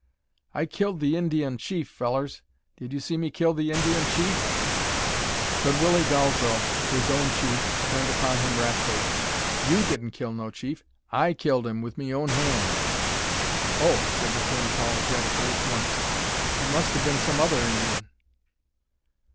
"I killed the Indy un chief, fellers. Did you see me kill the Indy un chief?" But Willie Dalzel, his own chief, turned upon him wrathfully: "You didn't kill no chief. I killed 'im with me own hand." "Oh!" said the twin, apologetically, at once. "It must have been some other Indy un."